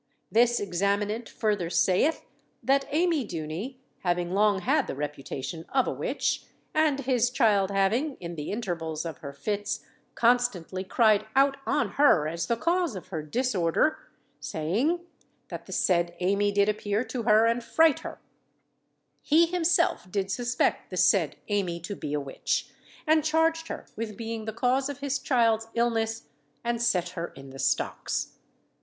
This examinant further saith, that Amy Duny, having long had the reputation of a witch, and his child having, in the intervals of her fits, constantly cried out on her as the cause of her disorder, saying, that the said Amy did appear to her and fright her; he himself did suspect the said Amy to be a witch, and charged her with being the cause of his child's illness, and set her in the stocks.